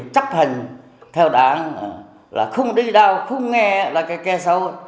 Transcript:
chấp hành theo đáng là không đi đâu không nghe là cái khe xấu